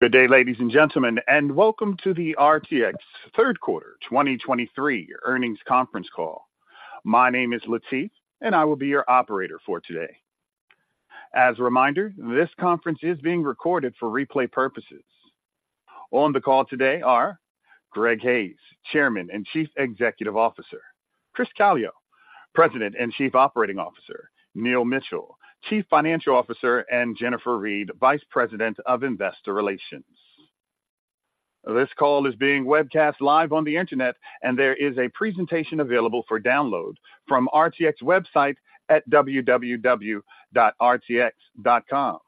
Good day, ladies and gentlemen, and welcome to the RTX Third Quarter 2023 Earnings Conference Call. My name is Latif, and I will be your operator for today. As a reminder, this conference is being recorded for replay purposes. On the call today are Greg Hayes, Chairman and Chief Executive Officer, Chris Calio, President and Chief Operating Officer, Neil Mitchill, Chief Financial Officer, and Jennifer Reed, Vice President of Investor Relations. This call is being webcast live on the Internet, and there is a presentation available for download from RTX website at www.rtx.com.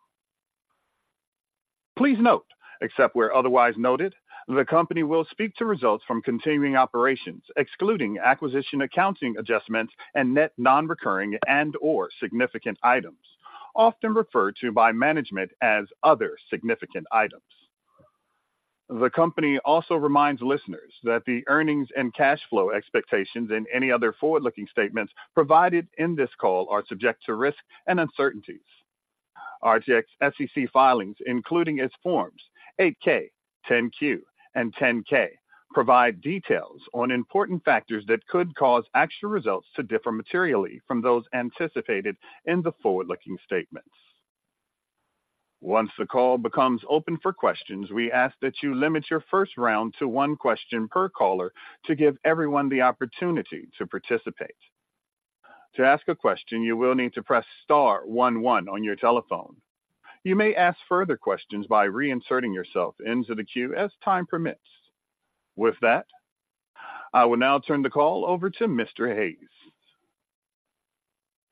Please note, except where otherwise noted, the company will speak to results from continuing operations, excluding acquisition, accounting adjustments, and net non-recurring and/or significant items, often referred to by management as other significant items. The company also reminds listeners that the earnings and cash flow expectations and any other forward-looking statements provided in this call are subject to risks and uncertainties. RTX's SEC filings, including its Forms 8-K, 10-Q, and 10-K, provide details on important factors that could cause actual results to differ materially from those anticipated in the forward-looking statements. Once the call becomes open for questions, we ask that you limit your first round to one question per caller to give everyone the opportunity to participate. To ask a question, you will need to press star one one on your telephone. You may ask further questions by reinserting yourself into the queue as time permits. With that, I will now turn the call over to Mr. Hayes.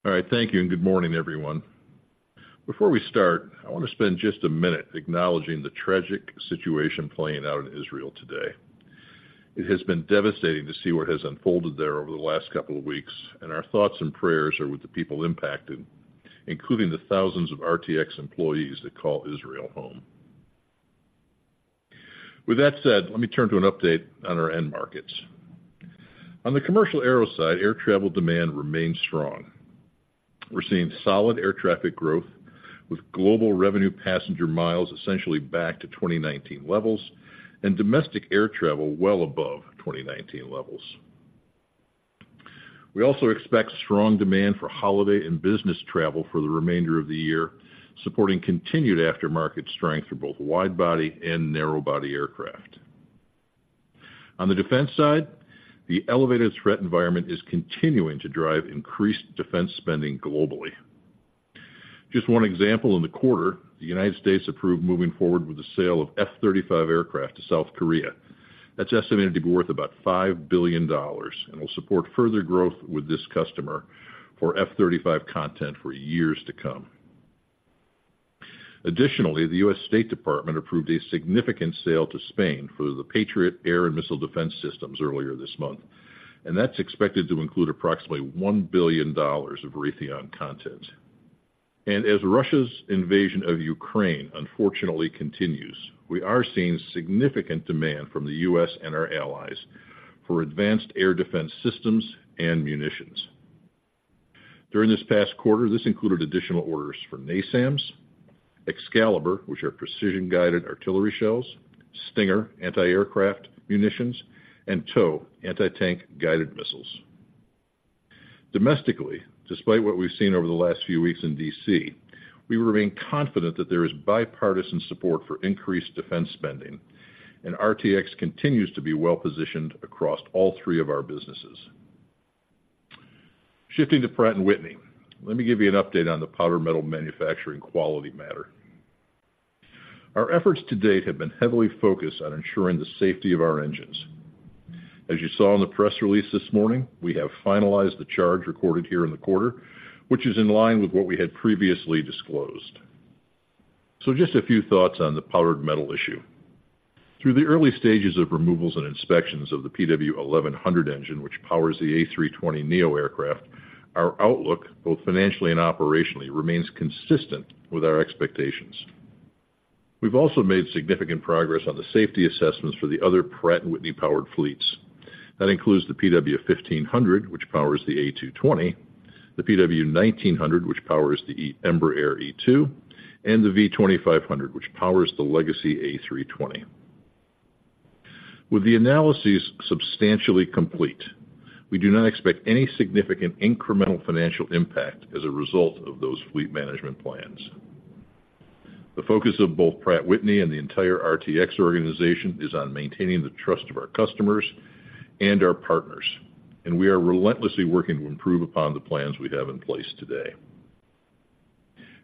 All right, thank you, and good morning, everyone. Before we start, I want to spend just a minute acknowledging the tragic situation playing out in Israel today. It has been devastating to see what has unfolded there over the last couple of weeks, and our thoughts and prayers are with the people impacted, including the thousands of RTX employees that call Israel home. With that said, let me turn to an update on our end markets. On the commercial aero side, air travel demand remains strong. We're seeing solid air traffic growth, with global revenue passenger miles essentially back to 2019 levels and domestic air travel well above 2019 levels. We also expect strong demand for holiday and business travel for the remainder of the year, supporting continued aftermarket strength for both wide-body and narrow-body aircraft. On the defense side, the elevated threat environment is continuing to drive increased defense spending globally. Just one example in the quarter, the United States approved moving forward with the sale of F-35 aircraft to South Korea. That's estimated to be worth about $5 billion and will support further growth with this customer for F-35 content for years to come. Additionally, the U.S. State Department approved a significant sale to Spain for the Patriot Air and Missile Defense systems earlier this month, and that's expected to include approximately $1 billion of Raytheon content. As Russia's invasion of Ukraine unfortunately continues, we are seeing significant demand from the U.S. and our allies for advanced air defense systems and munitions. During this past quarter, this included additional orders for NASAMS, Excalibur, which are precision-guided artillery shells, Stinger anti-aircraft munitions, and TOW anti-tank guided missiles. Domestically, despite what we've seen over the last few weeks in D.C., we remain confident that there is bipartisan support for increased defense spending, and RTX continues to be well-positioned across all three of our businesses. Shifting to Pratt & Whitney, let me give you an update on the powdered metal manufacturing quality matter. Our efforts to date have been heavily focused on ensuring the safety of our engines. As you saw in the press release this morning, we have finalized the charge recorded here in the quarter, which is in line with what we had previously disclosed. So just a few thoughts on the powdered metal issue. Through the early stages of removals and inspections of the PW1100 engine, which powers the A320neo aircraft, our outlook, both financially and operationally, remains consistent with our expectations. We've also made significant progress on the safety assessments for the other Pratt & Whitney-powered fleets. That includes the PW1500, which powers the A220, the PW1900, which powers the Embraer E2, and the V2500, which powers the legacy A320. With the analyses substantially complete, we do not expect any significant incremental financial impact as a result of those fleet management plans. The focus of both Pratt & Whitney and the entire RTX organization is on maintaining the trust of our customers and our partners, and we are relentlessly working to improve upon the plans we have in place today.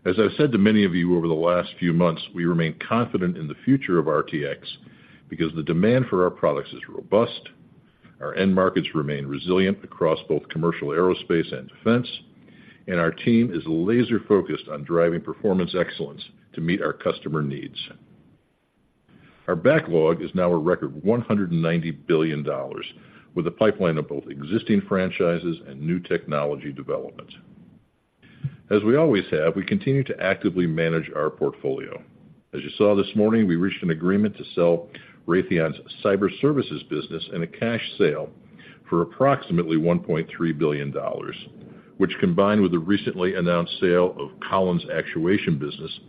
As I've said to many of you over the last few months, we remain confident in the future of RTX because the demand for our products is robust, our end markets remain resilient across both commercial aerospace and defense, and our team is laser-focused on driving performance excellence to meet our customer needs. Our backlog is now a record $190 billion, with a pipeline of both existing franchises and new technology development. As we always have, we continue to actively manage our portfolio. As you saw this morning, we reached an agreement to sell Raytheon's cyber services business in a cash sale for approximately $1.3 billion, which combined with the recently announced sale of Collins Actuation business,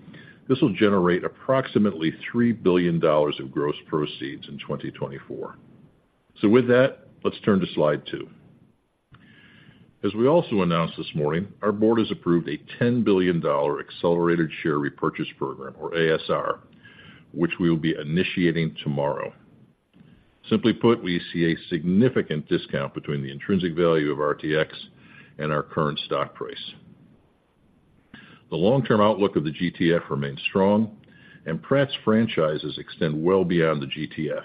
this will generate approximately $3 billion of gross proceeds in 2024. So with that, let's turn to slide two. As we also announced this morning, our board has approved a $10 billion accelerated share repurchase program, or ASR, which we will be initiating tomorrow. Simply put, we see a significant discount between the intrinsic value of RTX and our current stock price. The long-term outlook of the GTF remains strong, and Pratt's franchises extend well beyond the GTF.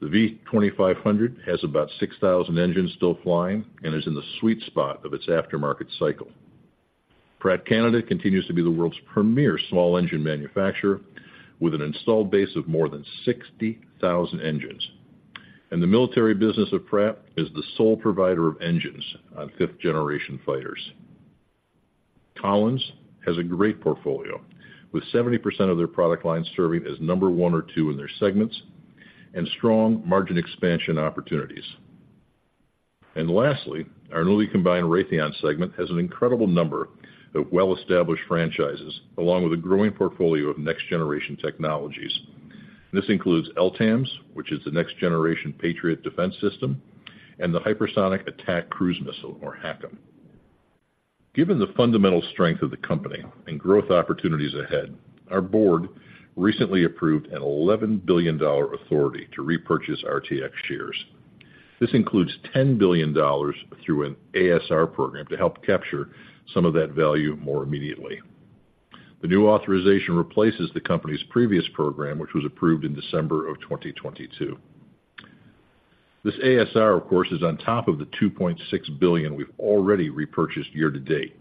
The V2500 has about 6,000 engines still flying and is in the sweet spot of its aftermarket cycle. Pratt Canada continues to be the world's premier small engine manufacturer, with an installed base of more than 60,000 engines. The military business of Pratt is the sole provider of engines on fifth-generation fighters. Collins has a great portfolio, with 70% of their product lines serving as number one or two in their segments and strong margin expansion opportunities. Lastly, our newly combined Raytheon segment has an incredible number of well-established franchises, along with a growing portfolio of next-generation technologies. This includes LTAMDS, which is the next-generation Patriot Defense System, and the Hypersonic Attack Cruise Missile, or HACM. Given the fundamental strength of the company and growth opportunities ahead, our board recently approved a $11 billion authority to repurchase RTX shares. This includes $10 billion through an ASR program to help capture some of that value more immediately. The new authorization replaces the company's previous program, which was approved in December of 2022. This ASR, of course, is on top of the $2.6 billion we've already repurchased year to date.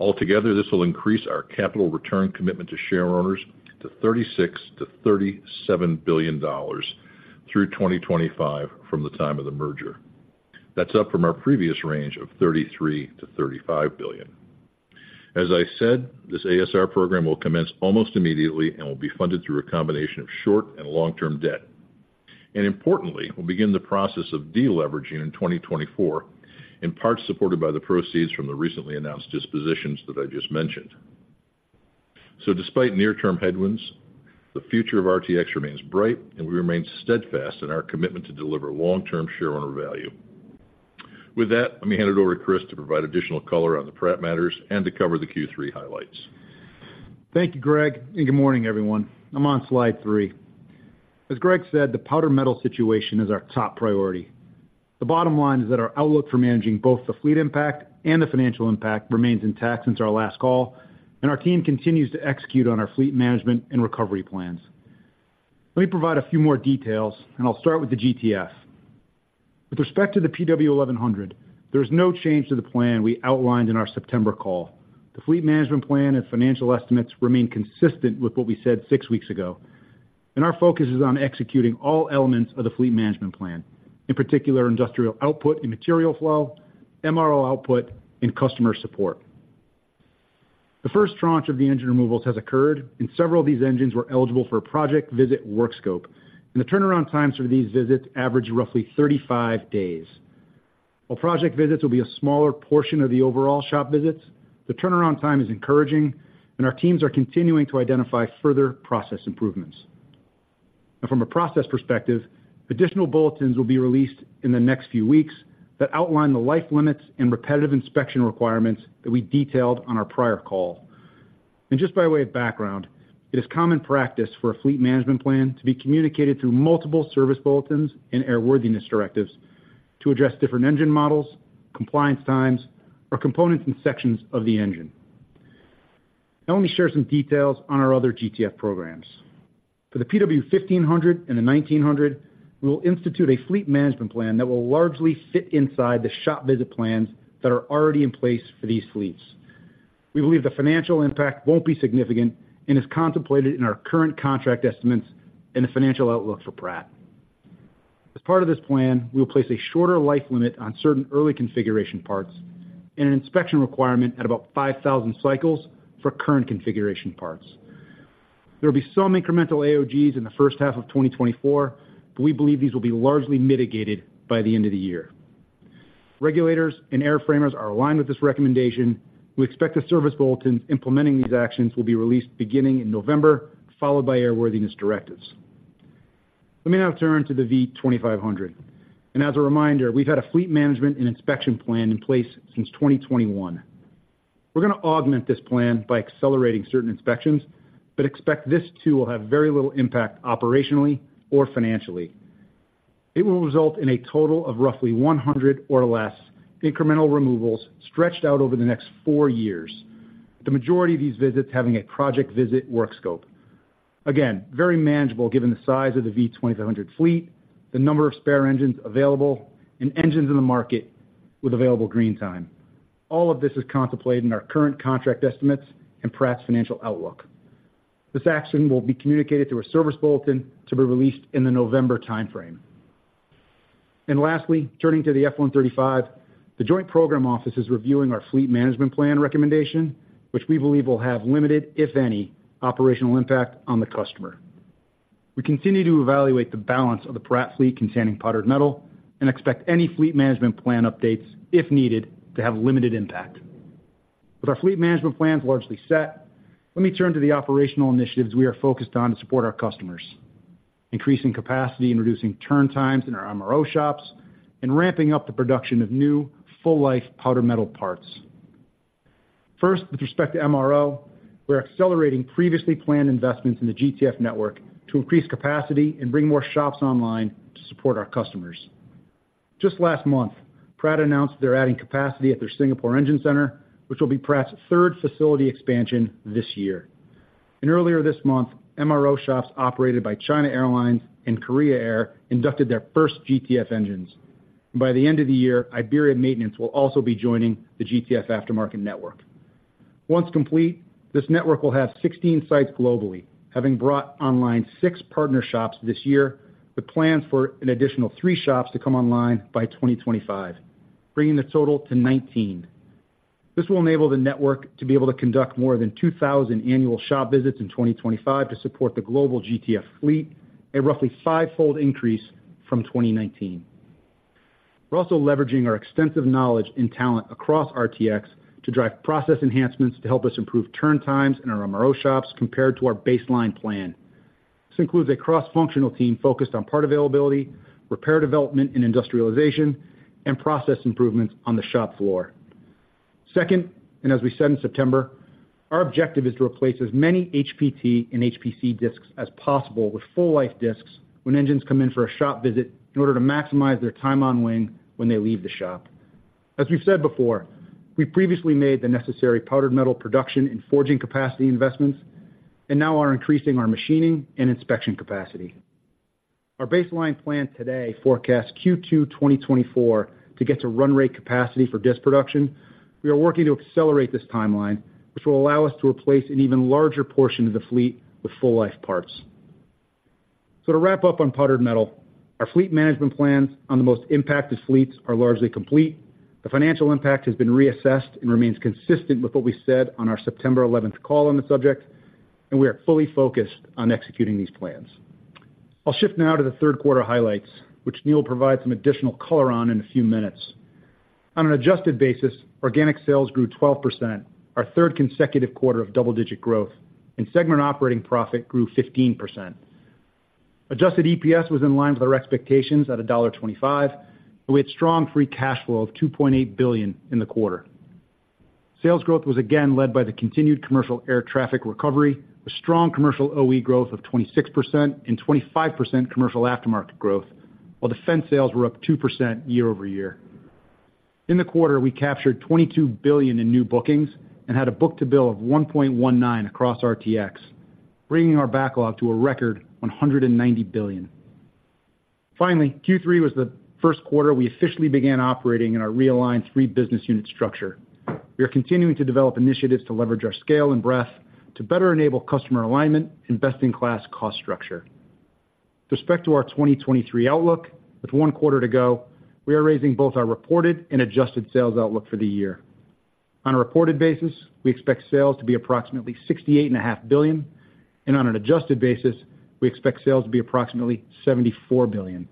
Altogether, this will increase our capital return commitment to shareowners to $36 billion-$37 billion through 2025 from the time of the merger. That's up from our previous range of $33 billion-$35 billion. As I said, this ASR program will commence almost immediately and will be funded through a combination of short and long-term debt. Importantly, we'll begin the process of deleveraging in 2024, in part supported by the proceeds from the recently announced dispositions that I just mentioned. So despite near-term headwinds, the future of RTX remains bright, and we remain steadfast in our commitment to deliver long-term shareowner value. With that, let me hand it over to Chris to provide additional color on the Pratt matters and to cover the Q3 highlights. Thank you, Greg, and good morning, everyone. I'm on slide three. As Greg said, the powdered metal situation is our top priority. The bottom line is that our outlook for managing both the fleet impact and the financial impact remains intact since our last call, and our team continues to execute on our fleet management and recovery plans. Let me provide a few more details, and I'll start with the GTF. With respect to the PW1100, there is no change to the plan we outlined in our September call. The fleet management plan and financial estimates remain consistent with what we said six weeks ago, and our focus is on executing all elements of the fleet management plan, in particular, industrial output and material flow, MRO output, and customer support. The first tranche of the engine removals has occurred, and several of these engines were eligible for a project visit work scope, and the turnaround times for these visits average roughly 35 days. While project visits will be a smaller portion of the overall shop visits, the turnaround time is encouraging, and our teams are continuing to identify further process improvements. Now from a process perspective, additional bulletins will be released in the next few weeks that outline the life limits and repetitive inspection requirements that we detailed on our prior call. Just by way of background, it is common practice for a fleet management plan to be communicated through multiple service bulletins and airworthiness directives to address different engine models, compliance times, or components and sections of the engine. Now, let me share some details on our other GTF programs. For the PW1500 and the 1900, we will institute a fleet management plan that will largely fit inside the shop visit plans that are already in place for these fleets. We believe the financial impact won't be significant and is contemplated in our current contract estimates and the financial outlook for Pratt. As part of this plan, we will place a shorter life limit on certain early configuration parts and an inspection requirement at about 5,000 cycles for current configuration parts. There will be some incremental AOGs in the first half of 2024, but we believe these will be largely mitigated by the end of the year. Regulators and airframers are aligned with this recommendation. We expect the service bulletins implementing these actions will be released beginning in November, followed by airworthiness directives. Let me now turn to the V2500, and as a reminder, we've had a fleet management and inspection plan in place since 2021. We're going to augment this plan by accelerating certain inspections, but expect this, too, will have very little impact operationally or financially. It will result in a total of roughly 100 or less incremental removals stretched out over the next four years. The majority of these visits having a project visit work scope. Again, very manageable given the size of the V2500 fleet, the number of spare engines available, and engines in the market with available green time. All of this is contemplated in our current contract estimates and Pratt's financial outlook. This action will be communicated through a service bulletin to be released in the November timeframe. Lastly, turning to the F135 The Joint Program Office is reviewing our fleet management plan recommendation, which we believe will have limited, if any, operational impact on the customer. We continue to evaluate the balance of the Pratt fleet containing powdered metal and expect any fleet management plan updates, if needed, to have limited impact. With our fleet management plans largely set, let me turn to the operational initiatives we are focused on to support our customers, increasing capacity and reducing turn times in our MRO shops, and ramping up the production of new full-life Powder Metal parts. First, with respect to MRO, we're accelerating previously planned investments in the GTF network to increase capacity and bring more shops online to support our customers. Just last month, Pratt announced they're adding capacity at their Singapore Engine Center, which will be Pratt's third facility expansion this year. Earlier this month, MRO shops operated by China Airlines and Korean Air inducted their first GTF engines. By the end of the year, Iberia Maintenance will also be joining the GTF aftermarket network. Once complete, this network will have 16 sites globally, having brought online six partner shops this year, with plans for an additional three shops to come online by 2025, bringing the total to 19. This will enable the network to be able to conduct more than 2,000 annual shop visits in 2025 to support the global GTF fleet, a roughly five-fold increase from 2019. We're also leveraging our extensive knowledge and talent across RTX to drive process enhancements to help us improve turn times in our MRO shops compared to our baseline plan. This includes a cross-functional team focused on part availability, repair development, and industrialization, and process improvements on the shop floor. Second, and as we said in September, our objective is to replace as many HPT and HPC disks as possible with full-life disks when engines come in for a shop visit in order to maximize their time on wing when they leave the shop. As we've said before, we previously made the necessary powdered metal production and forging capacity investments, and now are increasing our machining and inspection capacity. Our baseline plan today forecasts Q2 2024 to get to run rate capacity for disk production. We are working to accelerate this timeline, which will allow us to replace an even larger portion of the fleet with full-life parts. So to wrap up on powdered metal, our fleet management plans on the most impacted fleets are largely complete. The financial impact has been reassessed and remains consistent with what we said on our September 11 call on the subject, and we are fully focused on executing these plans. I'll shift now to the third quarter highlights, which Neil will provide some additional color on in a few minutes. On an adjusted basis, organic sales grew 12%, our third consecutive quarter of double-digit growth, and segment operating profit grew 15%. Adjusted EPS was in line with our expectations at $1.25, and we had strong free cash flow of $2.8 billion in the quarter. Sales growth was again led by the continued commercial air traffic recovery, a strong commercial OE growth of 26% and 25% commercial aftermarket growth, while defense sales were up 2% year-over-year. In the quarter, we captured $22 billion in new bookings and had a book-to-bill of 1.19 across RTX, bringing our backlog to a record $190 billion. Finally, Q3 was the first quarter we officially began operating in our realigned three business unit structure. We are continuing to develop initiatives to leverage our scale and breadth to better enable customer alignment and best-in-class cost structure. With respect to our 2023 outlook, with one quarter to go, we are raising both our reported and adjusted sales outlook for the year. On a reported basis, we expect sales to be approximately $68.5 billion, and on an adjusted basis, we expect sales to be approximately $74 billion,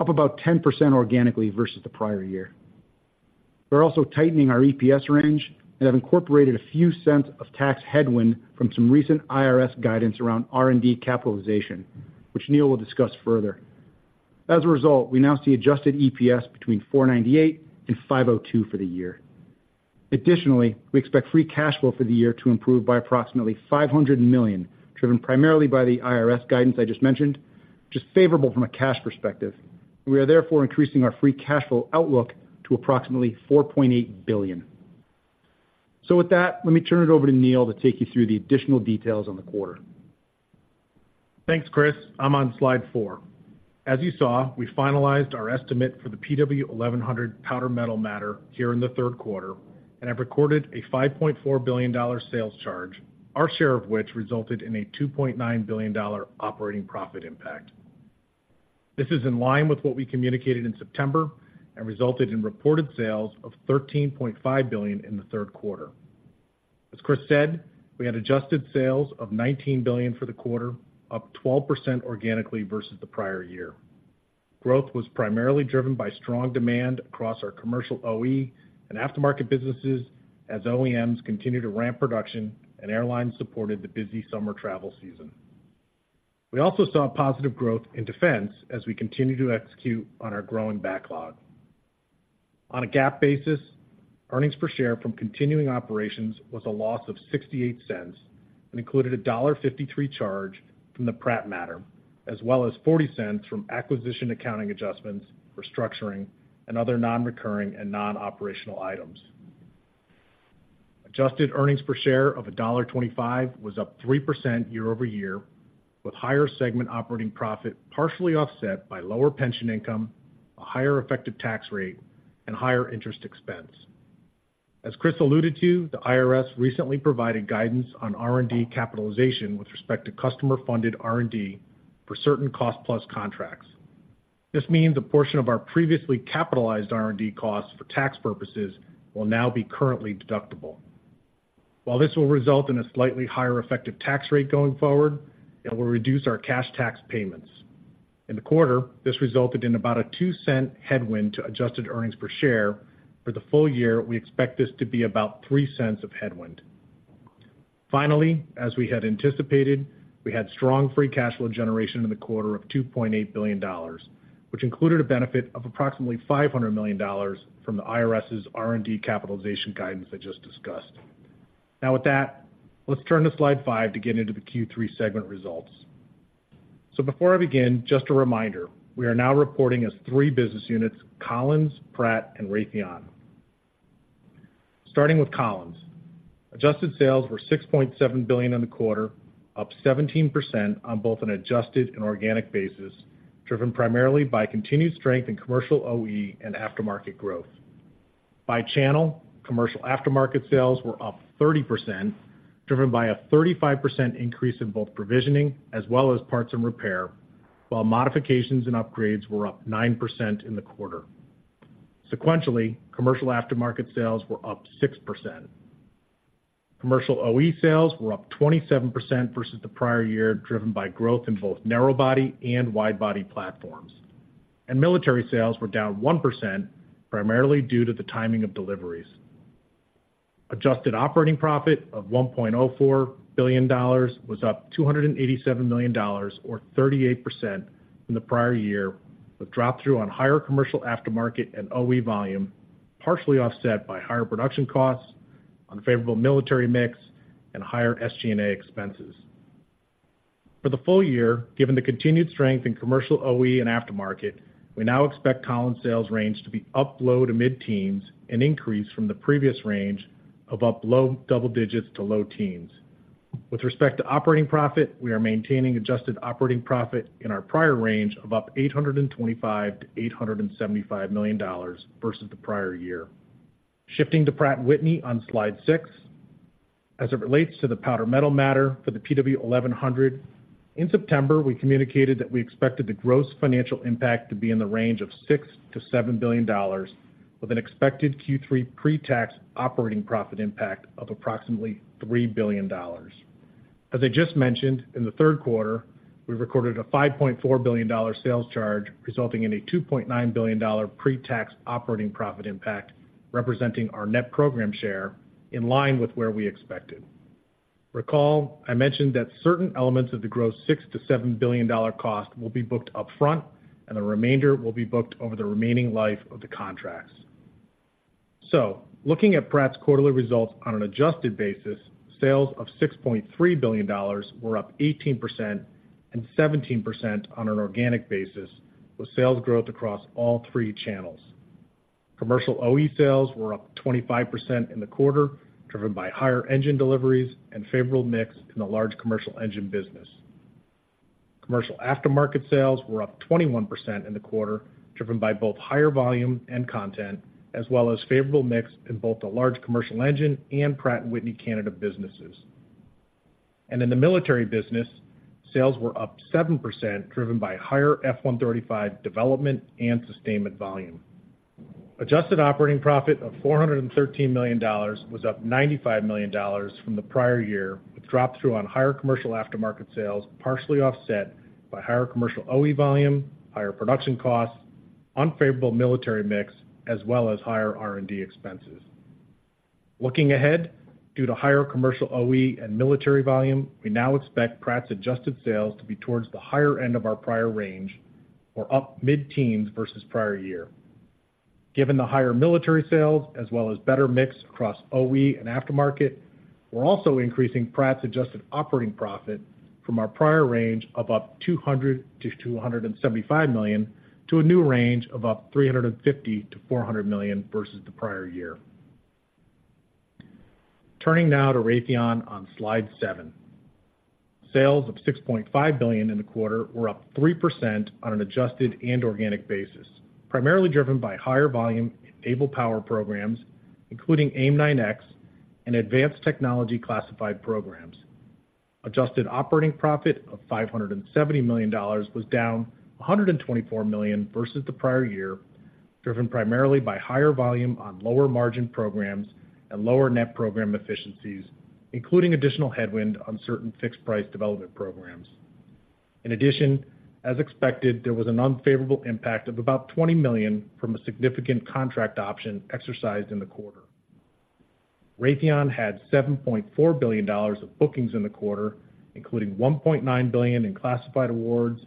up about 10% organically versus the prior year. We're also tightening our EPS range and have incorporated a few cents of tax headwind from some recent IRS guidance around R&D capitalization, which Neil will discuss further. As a result, we now see adjusted EPS between $4.98 and $5.02 for the year. Additionally, we expect free cash flow for the year to improve by approximately $500 million, driven primarily by the IRS guidance I just mentioned, which is favorable from a cash perspective. We are therefore increasing our free cash flow outlook to approximately $4.8 billion. So with that, let me turn it over to Neil to take you through the additional details on the quarter. Thanks, Chris. I'm on slide four. As you saw, we finalized our estimate for the PW1100 powdered metal matter here in the third quarter, and have recorded a $5.4 billion sales charge, our share of which resulted in a $2.9 billion operating profit impact. This is in line with what we communicated in September and resulted in reported sales of $13.5 billion in the third quarter. As Chris said, we had adjusted sales of $19 billion for the quarter, up 12% organically versus the prior year. Growth was primarily driven by strong demand across our commercial OE and aftermarket businesses as OEMs continued to ramp production and airlines supported the busy summer travel season. We also saw positive growth in defense as we continued to execute on our growing backlog. On a GAAP basis, earnings per share from continuing operations was a loss of $0.68 and included a $1.53 charge from the Pratt matter, as well as $0.40 from acquisition accounting adjustments, restructuring, and other non-recurring and non-operational items. Adjusted earnings per share of $1.25 was up 3% year-over-year, with higher segment operating profit partially offset by lower pension income, a higher effective tax rate, and higher interest expense. As Chris alluded to, the IRS recently provided guidance on R&D capitalization with respect to customer-funded R&D for certain cost-plus contracts. This means a portion of our previously capitalized R&D costs for tax purposes will now be currently deductible. While this will result in a slightly higher effective tax rate going forward, it will reduce our cash tax payments. In the quarter, this resulted in about a $0.02 headwind to adjusted earnings per share. For the full year, we expect this to be about $0.03 of headwind. Finally, as we had anticipated, we had strong free cash flow generation in the quarter of $2.8 billion, which included a benefit of approximately $500 million from the IRS's R&D capitalization guidance I just discussed. Now, with that, let's turn to slide five to get into the Q3 segment results. So before I begin, just a reminder, we are now reporting as three business units, Collins, Pratt, and Raytheon. Starting with Collins. Adjusted sales were $6.7 billion in the quarter, up 17% on both an adjusted and organic basis, driven primarily by continued strength in commercial OE and aftermarket growth. By channel, commercial aftermarket sales were up 30%, driven by a 35% increase in both provisioning as well as parts and repair, while modifications and upgrades were up 9% in the quarter. Sequentially, commercial aftermarket sales were up 6%. Commercial OE sales were up 27% versus the prior year, driven by growth in both narrow body and wide body platforms. Military sales were down 1%, primarily due to the timing of deliveries. Adjusted operating profit of $1.04 billion was up $287 million, or 38% from the prior year, with drop through on higher commercial aftermarket and OE volume, partially offset by higher production costs, unfavorable military mix, and higher SG&A expenses. For the full year, given the continued strength in commercial OE and aftermarket, we now expect Collins sales range to be up low- to mid-teens, an increase from the previous range of up low-double-digits to low-teens. With respect to operating profit, we are maintaining adjusted operating profit in our prior range of up $825 million-$875 million versus the prior year. Shifting to Pratt & Whitney on slide six. As it relates to the powdered metal matter for the PW1100, in September, we communicated that we expected the gross financial impact to be in the range of $6 billion-$7 billion, with an expected Q3 pre-tax operating profit impact of approximately $3 billion. As I just mentioned, in the third quarter, we recorded a $5.4 billion sales charge, resulting in a $2.9 billion pre-tax operating profit impact, representing our net program share in line with where we expected. Recall, I mentioned that certain elements of the gross $6 billion-$7 billion cost will be booked upfront, and the remainder will be booked over the remaining life of the contracts. So looking at Pratt's quarterly results on an adjusted basis, sales of $6.3 billion were up 18% and 17% on an organic basis, with sales growth across all three channels. Commercial OE sales were up 25% in the quarter, driven by higher engine deliveries and favorable mix in the large commercial engine business. Commercial aftermarket sales were up 21% in the quarter, driven by both higher volume and content, as well as favorable mix in both the large commercial engine and Pratt & Whitney Canada businesses. In the military business, sales were up 7%, driven by higher F-135 development and sustainment volume. Adjusted operating profit of $413 million was up $95 million from the prior year, with drop through on higher commercial aftermarket sales, partially offset by higher commercial OE volume, higher production costs, unfavorable military mix, as well as higher R&D expenses. Looking ahead, due to higher commercial OE and military volume, we now expect Pratt's adjusted sales to be towards the higher end of our prior range, or up mid-teens versus prior year. Given the higher military sales, as well as better mix across OE and aftermarket, we're also increasing Pratt's adjusted operating profit from our prior range of up $200 million-$275 million, to a new range of up $350 million-$400 million versus the prior year. Turning now to Raytheon on slide seven. Sales of $6.5 billion in the quarter were up 3% on an adjusted and organic basis, primarily driven by higher volume in airpower programs, including AIM-9X and advanced technology classified programs. Adjusted operating profit of $570 million was down $124 million versus the prior year, driven primarily by higher volume on lower margin programs and lower net program efficiencies, including additional headwind on certain fixed price development programs. In addition, as expected, there was an unfavorable impact of about $20 million from a significant contract option exercised in the quarter. Raytheon had $7.4 billion of bookings in the quarter, including $1.9 billion in classified awards,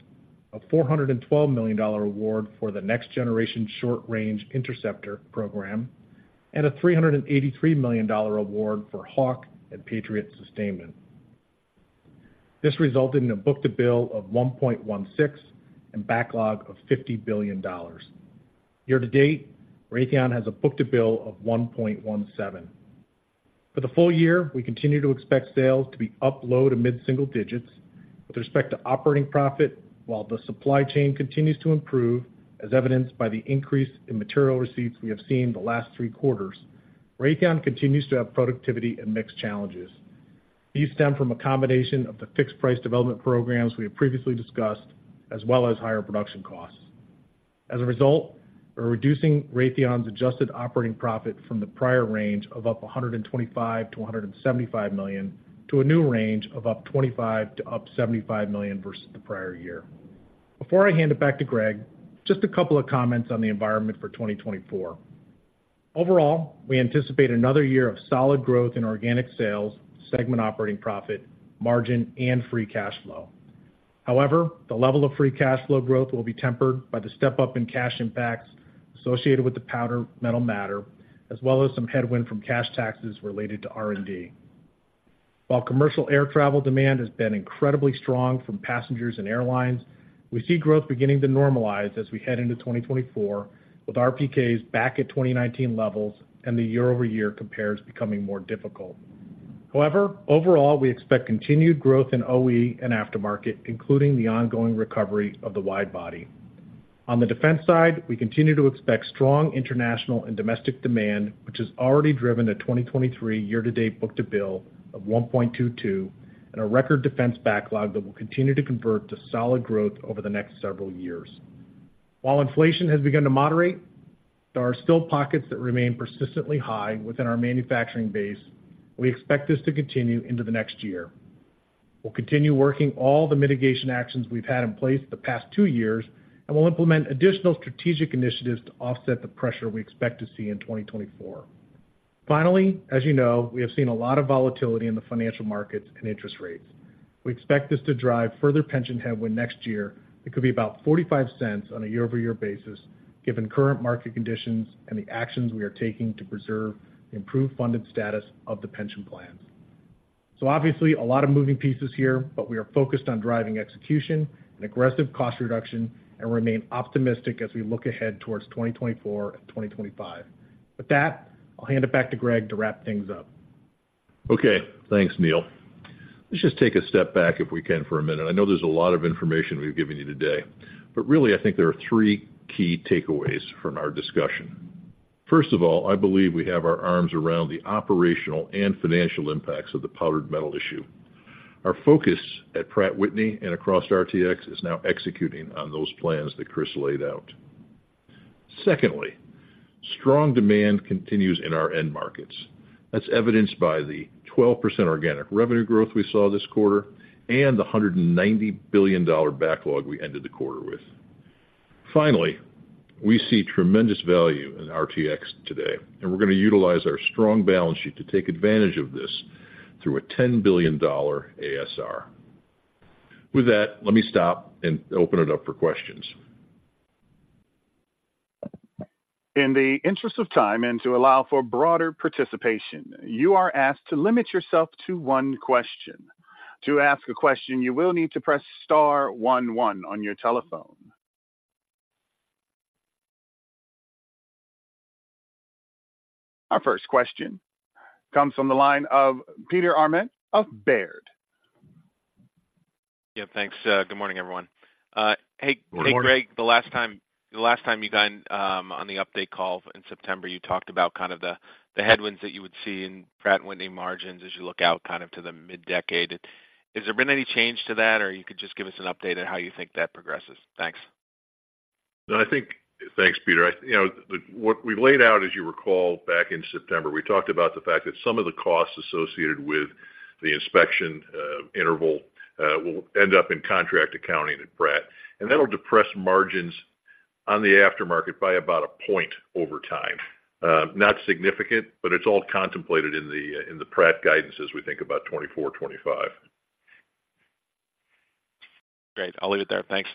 a $412 million award for the next generation short-range interceptor program, and a $383 million award for Hawk and Patriot sustainment. This resulted in a book-to-bill of 1.16 and backlog of $50 billion. Year to date, Raytheon has a book-to-bill of 1.17. For the full year, we continue to expect sales to be up low to mid-single digits. With respect to operating profit, while the supply chain continues to improve, as evidenced by the increase in material receipts we have seen the last three quarters, Raytheon continues to have productivity and mix challenges. These stem from a combination of the fixed price development programs we have previously discussed, as well as higher production costs. As a result, we're reducing Raytheon's adjusted operating profit from the prior range of up to $125-$175 million, to a new range of up $25-$75 million versus the prior year. Before I hand it back to Greg, just a couple of comments on the environment for 2024. Overall, we anticipate another year of solid growth in organic sales, segment operating profit, margin, and free cash flow.. However, the level of free cash flow growth will be tempered by the step-up in cash impacts associated with the powdered metal matter, as well as some headwind from cash taxes related to R&D. While commercial air travel demand has been incredibly strong from passengers and airlines, we see growth beginning to normalize as we head into 2024, with RPKs back at 2019 levels and the year-over-year compares becoming more difficult. However, overall, we expect continued growth in OE and aftermarket, including the ongoing recovery of the wide body. On the defense side, we continue to expect strong international and domestic demand, which has already driven a 2023 year-to-date book-to-bill of 1.22, and a record defense backlog that will continue to convert to solid growth over the next several years. While inflation has begun to moderate, there are still pockets that remain persistently high within our manufacturing base. We expect this to continue into the next year. We'll continue working all the mitigation actions we've had in place the past two years, and we'll implement additional strategic initiatives to offset the pressure we expect to see in 2024. Finally, as you know, we have seen a lot of volatility in the financial markets and interest rates. We expect this to drive further pension headwind next year. It could be about $0.45 on a year-over-year basis, given current market conditions and the actions we are taking to preserve the improved funded status of the pension plans. So obviously, a lot of moving pieces here, but we are focused on driving execution and aggressive cost reduction, and remain optimistic as we look ahead towards 2024 and 2025. With that, I'll hand it back to Greg to wrap things up. Okay, thanks, Neil. Let's just take a step back, if we can, for a minute. I know there's a lot of information we've given you today, but really, I think there are three key takeaways from our discussion. First of all, I believe we have our arms around the operational and financial impacts of the powdered metal issue. Our focus at Pratt & Whitney and across RTX is now executing on those plans that Chris laid out. Secondly, strong demand continues in our end markets. That's evidenced by the 12% organic revenue growth we saw this quarter and the $190 billion backlog we ended the quarter with. Finally, we see tremendous value in RTX today, and we're going to utilize our strong balance sheet to take advantage of this through a $10 billion ASR. With that, let me stop and open it up for questions. In the interest of time and to allow for broader participation, you are asked to limit yourself to one question. To ask a question, you will need to press star one one on your telephone. Our first question comes from the line of Peter Arment of Baird. Yeah, thanks. Good morning, everyone. Hey- Good morning. Hey, Greg, the last time you got in on the update call in September, you talked about kind of the headwinds that you would see in Pratt & Whitney margins as you look out kind of to the mid-decade. Has there been any change to that, or you could just give us an update on how you think that progresses? Thanks. I think... Thanks, Peter. You know, what we laid out, as you recall, back in September, we talked about the fact that some of the costs associated with the inspection interval will end up in contract accounting at Pratt, and that'll depress margins on the aftermarket by about a point over time. Not significant, but it's all contemplated in the Pratt guidance as we think about 2024, 2025. Great. I'll leave it there. Thanks.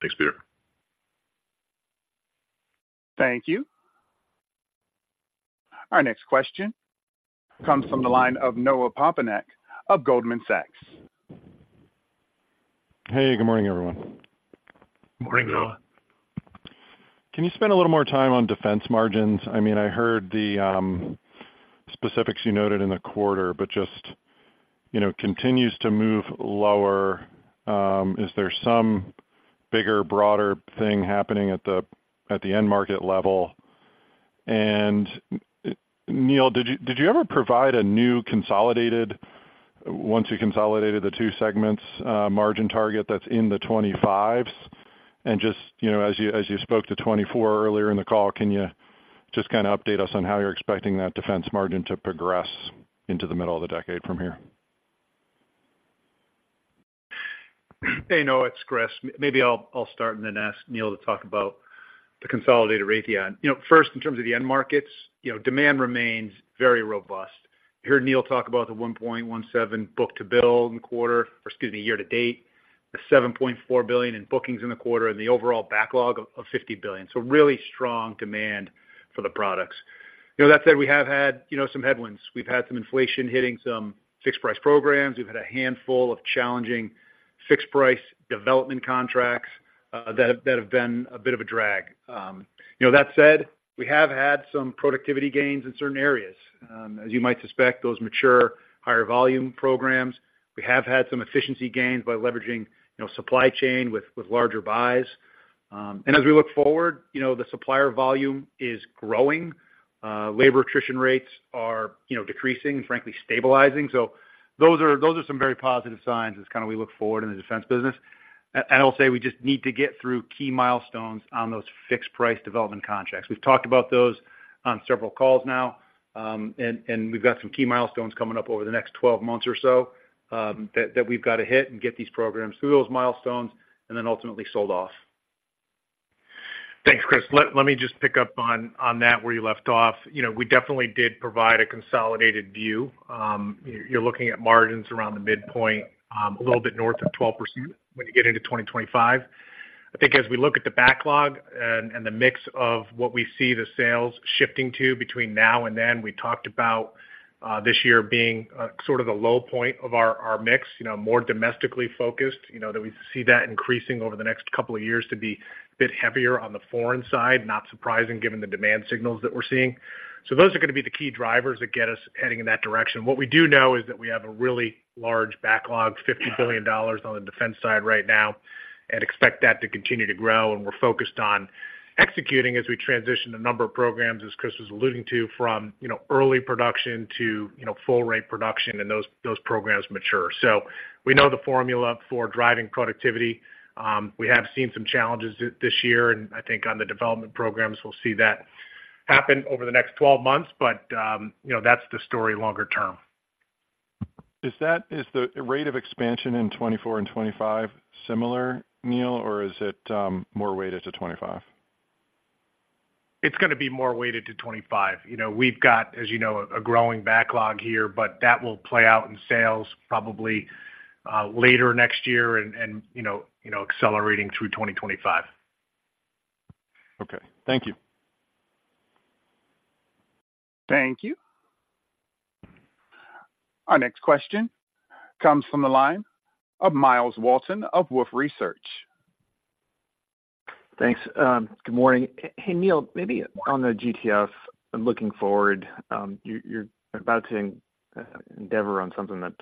Thanks, Peter. Thank you. Our next question comes from the line of Noah Poponak of Goldman Sachs. Hey, good morning, everyone. Morning, Noah. Can you spend a little more time on defense margins? I mean, I heard the specifics you noted in the quarter, but just, you know, continues to move lower. Is there some bigger, broader thing happening at the end market level? And, Neil, did you ever provide a new consolidated, once you consolidated the two segments, margin target that's in the 25s? And just, you know, as you spoke to 2024 earlier in the call, can you just kind of update us on how you're expecting that defense margin to progress into the middle of the decade from here? Hey, Noah, it's Chris. Maybe I'll start and then ask Neil to talk about the consolidated Raytheon. You know, first, in terms of the end markets, you know, demand remains very robust. You heard Neil talk about the 1.17 book-to-bill in the quarter, or excuse me, year to date, the $7.4 billion in bookings in the quarter, and the overall backlog of $50 billion. So really strong demand for the products. You know, that said, we have had, you know, some headwinds. We've had some inflation hitting some fixed price programs. We've had a handful of challenging fixed price development contracts.... that, that have been a bit of a drag. You know, that said, we have had some productivity gains in certain areas. As you might suspect, those mature, higher volume programs, we have had some efficiency gains by leveraging, you know, supply chain with, with larger buys. And as we look forward, you know, the supplier volume is growing, labor attrition rates are, you know, decreasing, frankly, stabilizing. So those are, those are some very positive signs as kind of we look forward in the defense business. And I'll say, we just need to get through key milestones on those fixed price development contracts. We've talked about those on several calls now, and we've got some key milestones coming up over the next 12 months or so, that we've got to hit and get these programs through those milestones and then ultimately sold off. Thanks, Chris. Let me just pick up on that, where you left off. You know, we definitely did provide a consolidated view. You're looking at margins around the midpoint, a little bit north of 12% when you get into 2025. I think as we look at the backlog and the mix of what we see the sales shifting to between now and then, we talked about this year being sort of the low point of our mix, you know, more domestically focused, you know, that we see that increasing over the next couple of years to be a bit heavier on the foreign side. Not surprising, given the demand signals that we're seeing. So those are gonna be the key drivers that get us heading in that direction. What we do know is that we have a really large backlog, $50 billion on the defense side right now, and expect that to continue to grow, and we're focused on executing as we transition a number of programs, as Chris was alluding to, from, you know, early production to, you know, full rate production, and those, those programs mature. So we know the formula for driving productivity. We have seen some challenges this year, and I think on the development programs, we'll see that happen over the next 12 months. But, you know, that's the story longer term. Is the rate of expansion in 2024 and 2025 similar, Neil, or is it more weighted to 2025? It's gonna be more weighted to 25. You know, we've got, as you know, a growing backlog here, but that will play out in sales probably later next year and, you know, you know, accelerating through 2025. Okay. Thank you. Thank you. Our next question comes from the line of Myles Walton of Wolfe Research. Thanks, good morning. Hey, Neil, maybe on the GTF and looking forward, you're about to endeavor on something that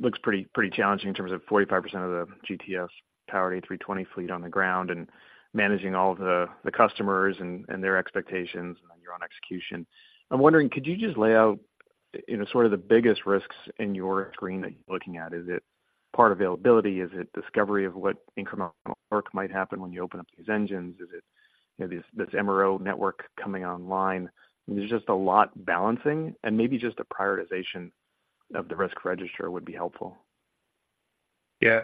looks pretty, pretty challenging in terms of 45% of the GTF powered A320 fleet on the ground, and managing all of the customers and their expectations, and then you're on execution. I'm wondering, could you just lay out, you know, sort of the biggest risks in your screen that you're looking at? Is it part availability? Is it discovery of what incremental work might happen when you open up these engines? Is it, you know, this MRO network coming online? There's just a lot balancing, and maybe just a prioritization of the risk register would be helpful. Yeah.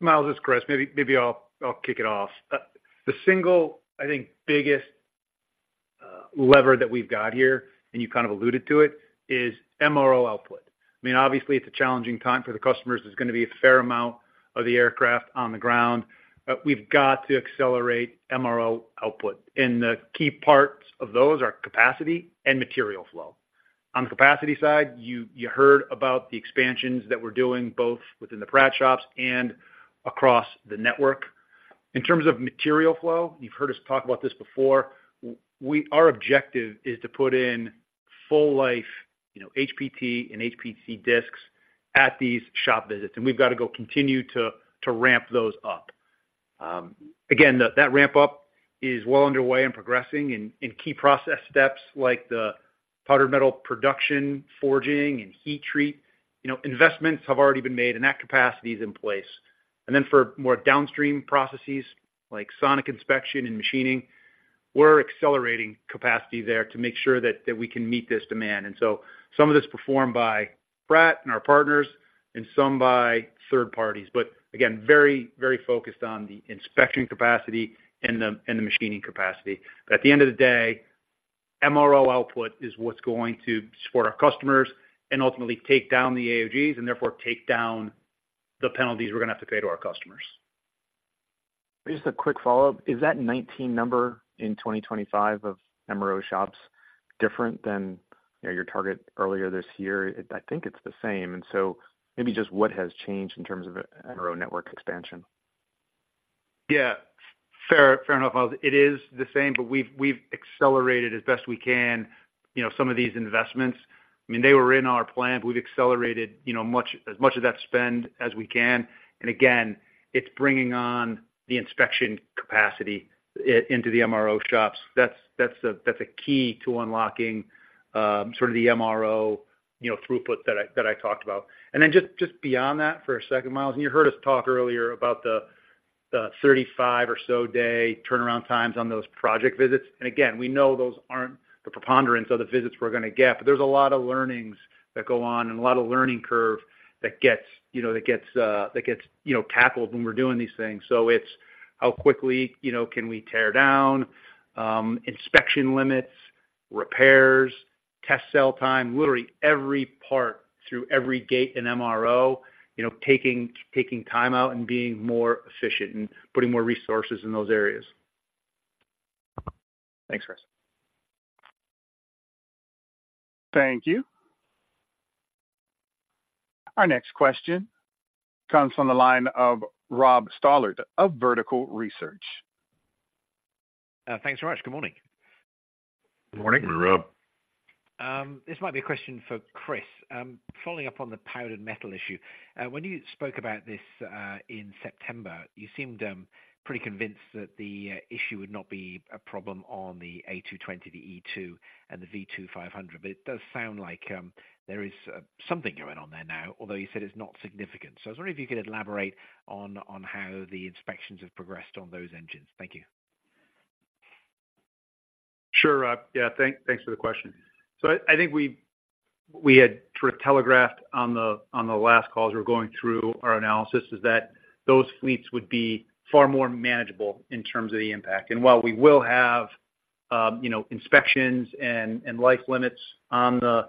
Myles, it's Chris. Maybe I'll kick it off. The single, I think, biggest lever that we've got here, and you kind of alluded to it, is MRO output. I mean, obviously, it's a challenging time for the customers. There's gonna be a fair amount of the aircraft on the ground, but we've got to accelerate MRO output, and the key parts of those are capacity and material flow. On the capacity side, you heard about the expansions that we're doing, both within the Pratt shops and across the network. In terms of material flow, you've heard us talk about this before, we— our objective is to put in full life, you know, HPT and HPC disks at these shop visits, and we've got to go continue to ramp those up. Again, that ramp up is well underway and progressing in key process steps like the powdered metal production, forging, and heat treat. You know, investments have already been made, and that capacity is in place. And then for more downstream processes, like sonic inspection and machining, we're accelerating capacity there to make sure that we can meet this demand. And so some of this is performed by Pratt and our partners, and some by third parties, but again, very, very focused on the inspection capacity and the machining capacity. But at the end of the day, MRO output is what's going to support our customers and ultimately take down the AOGs, and therefore, take down the penalties we're gonna have to pay to our customers. Just a quick follow-up: Is that 19 number in 2025 of MRO shops different than, you know, your target earlier this year? I think it's the same, and so maybe just what has changed in terms of MRO network expansion? Yeah, fair, fair enough, Myles. It is the same, but we've accelerated as best we can, you know, some of these investments. I mean, they were in our plan, but we've accelerated, you know, as much of that spend as we can. And again, it's bringing on the inspection capacity into the MRO shops. That's the key to unlocking sort of the MRO, you know, throughput that I talked about. And then just beyond that for a second, Myles, and you heard us talk earlier about the 35 or so day turnaround times on those project visits. Again, we know those aren't the preponderance of the visits we're gonna get, but there's a lot of learnings that go on and a lot of learning curve that gets, you know, tackled when we're doing these things. So it's how quickly, you know, can we tear down, inspection limits, repairs, test cell time, literally every part through every gate in MRO, you know, taking time out and being more efficient and putting more resources in those areas. Thanks, Chris.... Thank you. Our next question comes from the line of Rob Stallard of Vertical Research. Thanks so much. Good morning. Good morning. Good morning, Rob. This might be a question for Chris. Following up on the powdered metal issue, when you spoke about this in September, you seemed pretty convinced that the issue would not be a problem on the A220, the E2, and the V2500. But it does sound like there is something going on there now, although you said it's not significant. So I was wondering if you could elaborate on how the inspections have progressed on those engines. Thank you. Sure, Rob. Yeah, thanks for the question. So I think we had sort of telegraphed on the last call, as we're going through our analysis, is that those fleets would be far more manageable in terms of the impact. And while we will have, you know, inspections and life limits on the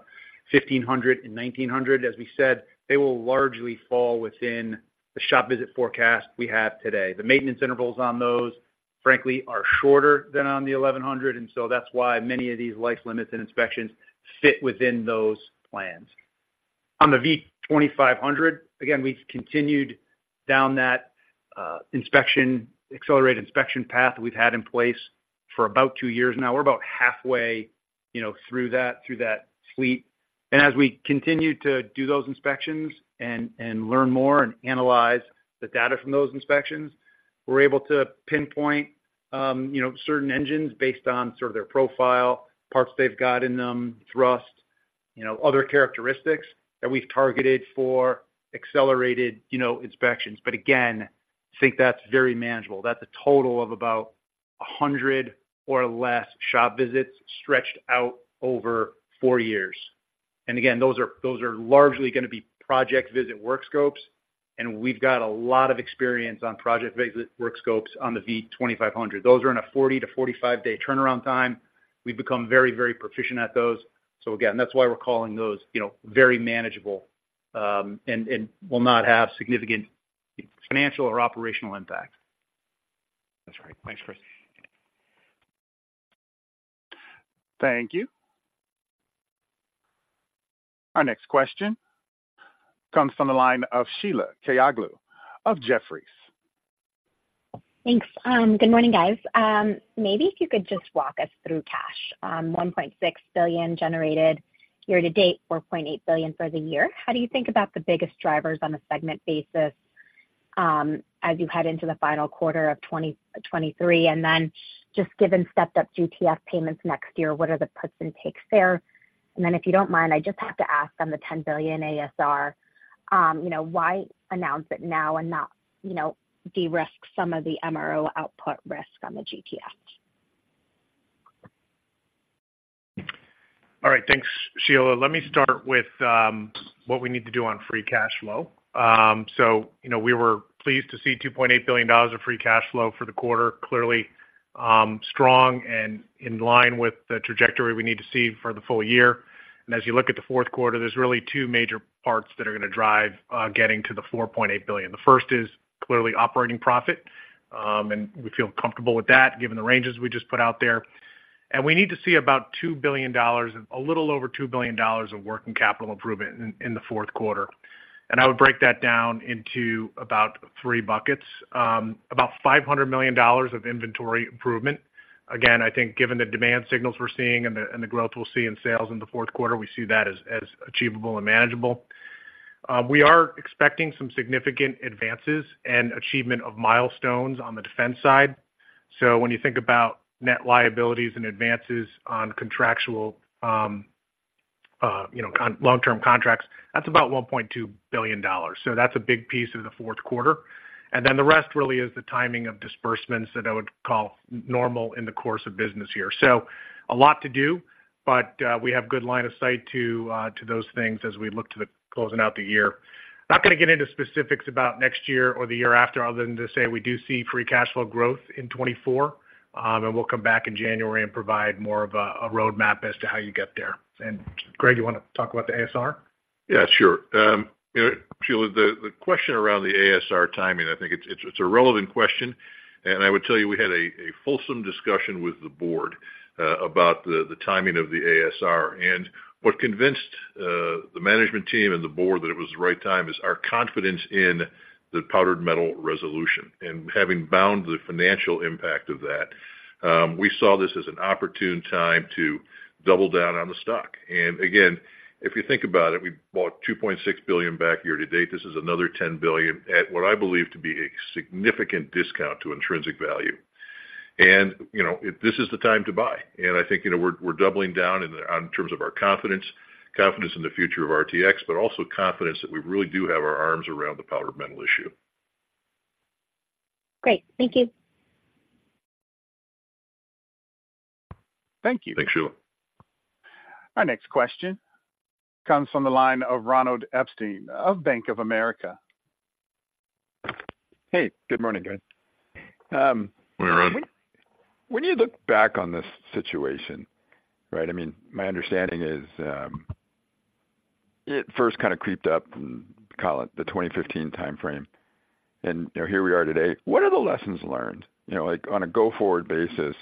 1500 and 1900, as we said, they will largely fall within the shop visit forecast we have today. The maintenance intervals on those, frankly, are shorter than on the 1100, and so that's why many of these life limits and inspections fit within those plans. On the V2500, again, we've continued down that inspection, accelerated inspection path we've had in place for about two years now. We're about halfway, you know, through that fleet. As we continue to do those inspections and learn more and analyze the data from those inspections, we're able to pinpoint, you know, certain engines based on sort of their profile, parts they've got in them, thrust, you know, other characteristics that we've targeted for accelerated, you know, inspections. But again, I think that's very manageable. That's a total of about 100 or less shop visits stretched out over four years. Again, those are largely gonna be project visit work scopes, and we've got a lot of experience on project visit work scopes on the V2500. Those are in a 40-45 day turnaround time. We've become very, very proficient at those. So again, that's why we're calling those, you know, very manageable, and will not have significant financial or operational impact. That's right. Thanks, Chris. Thank you. Our next question comes from the line of Sheila Kahyaoglu of Jefferies. Thanks. Good morning, guys. Maybe if you could just walk us through cash. $1.6 billion generated year to date, $4.8 billion for the year. How do you think about the biggest drivers on a segment basis, as you head into the final quarter of 2023? And then just given stepped up GTF payments next year, what are the puts and takes there? And then, if you don't mind, I just have to ask on the $10 billion ASR, you know, why announce it now and not, you know, de-risk some of the MRO output risk on the GTF? All right, thanks, Sheila. Let me start with what we need to do on free cash flow. So, you know, we were pleased to see $2.8 billion of free cash flow for the quarter, clearly strong and in line with the trajectory we need to see for the full year. And as you look at the fourth quarter, there's really two major parts that are gonna drive getting to the $4.8 billion. The first is clearly operating profit, and we feel comfortable with that given the ranges we just put out there. And we need to see about $2 billion, a little over $2 billion of working capital improvement in the fourth quarter. And I would break that down into about three buckets. About $500 million of inventory improvement. Again, I think given the demand signals we're seeing and the, and the growth we'll see in sales in the fourth quarter, we see that as, as achievable and manageable. We are expecting some significant advances and achievement of milestones on the defense side. So when you think about net liabilities and advances on contractual, you know, long-term contracts, that's about $1.2 billion. So that's a big piece of the fourth quarter. And then the rest really is the timing of disbursements that I would call normal in the course of business here. So a lot to do, but, we have good line of sight to those things as we look to the closing out the year. Not gonna get into specifics about next year or the year after, other than to say we do see free cash flow growth in 2024. We'll come back in January and provide more of a roadmap as to how you get there. Greg, you want to talk about the ASR? Yeah, sure. You know, Sheila, the question around the ASR timing, I think it's a relevant question, and I would tell you we had a fulsome discussion with the board about the timing of the ASR. What convinced the management team and the board that it was the right time is our confidence in the powdered metal resolution. Having bound the financial impact of that, we saw this as an opportune time to double down on the stock. And again, if you think about it, we bought $2.6 billion back year to date. This is another $10 billion at what I believe to be a significant discount to intrinsic value. And, you know, this is the time to buy. And I think, you know, we're, we're doubling down on terms of our confidence, confidence in the future of RTX, but also confidence that we really do have our arms around the powdered metal issue. Great. Thank you. Thank you. Thanks, Sheila. Our next question comes from the line of Ronald Epstein of Bank of America. Hey, good morning, guys. Good morning. When you look back on this situation, right? I mean, my understanding is... It first kind of crept up in, call it, the 2015 timeframe, and, you know, here we are today. What are the lessons learned? You know, like, on a go-forward basis,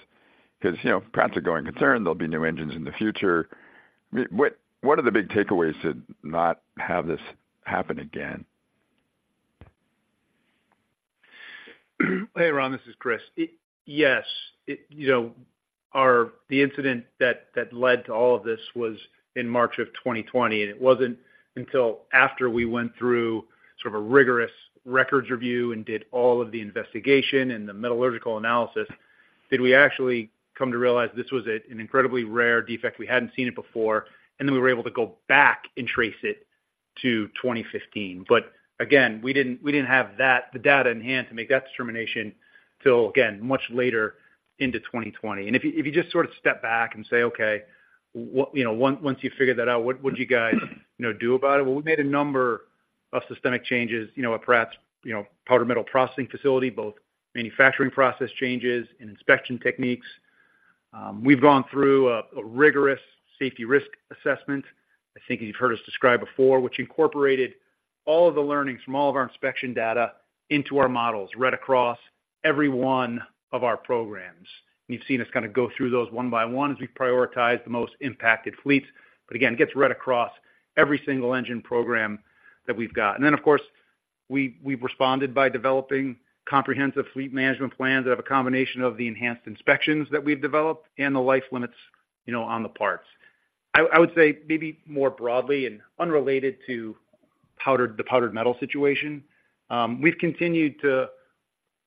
because, you know, Pratt's a growing concern. There'll be new engines in the future. I mean, what, what are the big takeaways to not have this happen again? Hey, Ron, this is Chris. Yes, it, you know, our the incident that, that led to all of this was in March of 2020, and it wasn't until after we went through sort of a rigorous records review and did all of the investigation and the metallurgical analysis, did we actually come to realize this was a, an incredibly rare defect. We hadn't seen it before, and then we were able to go back and trace it to 2015. But again, we didn't, we didn't have that, the data in hand to make that determination till, again, much later into 2020. If you just sort of step back and say, "Okay, what, you know, once you figured that out, what would you guys, you know, do about it?" Well, we made a number of systemic changes, you know, at Pratt's, you know, powder metal processing facility, both manufacturing process changes and inspection techniques. We've gone through a rigorous safety risk assessment, I think you've heard us describe before, which incorporated all of the learnings from all of our inspection data into our models, right across every one of our programs. You've seen us kind of go through those one by one as we prioritize the most impacted fleets, but again, it gets right across every single engine program that we've got. And then, of course, we, we've responded by developing comprehensive fleet management plans that have a combination of the enhanced inspections that we've developed and the life limits, you know, on the parts. I, I would say maybe more broadly and unrelated to powdered, the Powdered Metal situation, we've continued to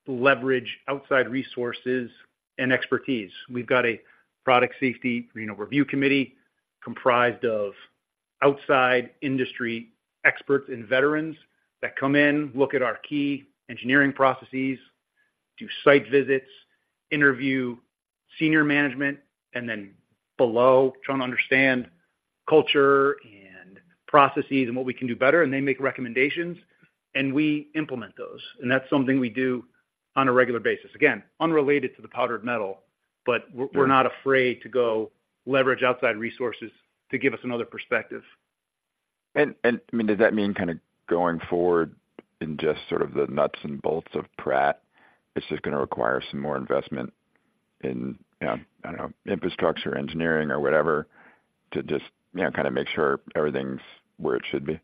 leverage outside resources and expertise. We've got a product safety, you know, review committee comprised of outside industry experts and veterans that come in, look at our key engineering processes, do site visits, interview senior management, and then below, try to understand culture and processes and what we can do better, and they make recommendations, and we implement those. And that's something we do on a regular basis. Again, unrelated to the Powdered Metal, but we're, we're not afraid to go leverage outside resources to give us another perspective. I mean, does that mean kind of going forward in just sort of the nuts and bolts of Pratt, it's just going to require some more investment in, you know, I don't know, infrastructure, engineering or whatever, to just, you know, kind of make sure everything's where it should be?